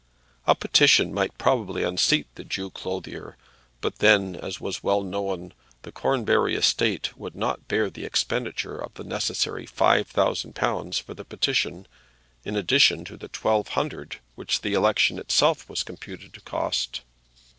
A petition might probably unseat the Jew clothier; but then, as was well known, the Cornbury estate could not bear the expenditure of the necessary five thousand pounds for the petition, in addition to the twelve hundred which the election itself was computed to cost.